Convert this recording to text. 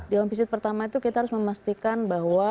di on visit pertama itu kita harus memastikan bahwa